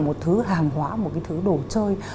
một thứ hàng hóa một cái thứ đồ chơi